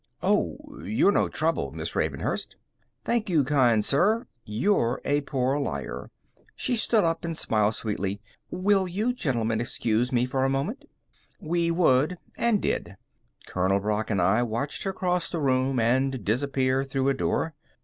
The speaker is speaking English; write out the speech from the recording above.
"Oh, you're no trouble, Miss Ravenhurst." "Thank you, kind sir; you're a poor liar." She stood up and smiled sweetly. "Will you gentlemen excuse me a moment?" We would and did. Colonel Brock and I watched her cross the room and disappear through a door.